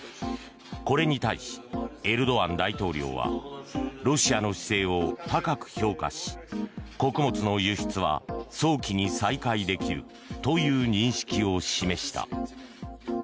これに対し、エルドアン大統領はロシアの姿勢を高く評価し穀物の輸出は早期に再開できるという認識を示した。